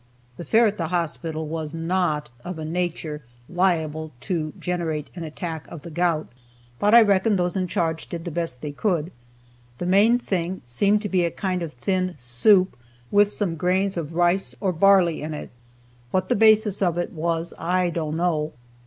The fare at the hospital was not of a nature liable to generate an attack of the gout, but I reckon those in charge did the best they could. The main thing seemed to be a kind of thin soup, with some grains of rice, or barley, in it. What the basis of it was I don't know.